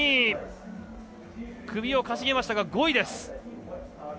首を傾げましたが５位です。